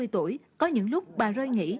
tám mươi tuổi có những lúc bà rơi nghỉ